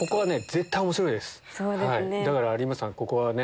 だから有村さんここはね